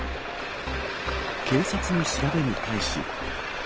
警察の調べに対し。